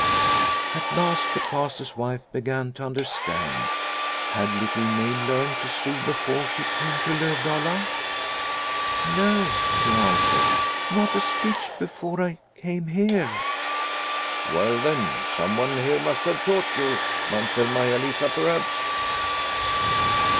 At last the Pastor's wife began to understand. Had Little Maid learnt to sew before she came to Lovdala ?" No," she answered, " not a stitch before I came here." " Well, then, someone here must have taught you Mamsell Maia Lisa perhaps